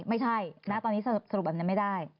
ไม่ใช่นะตอนนี้สรุปแบบนี้ไม่ได้